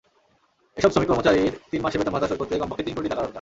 এসব শ্রমিক-কর্মচারীর তিন মাসের বেতন-ভাতা শোধ করতে কমপক্ষে তিন কোটি টাকা দরকার।